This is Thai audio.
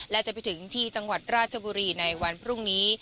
และจะไปถึงที่จังหวัดราชบุรีในวันพรุ่งนี้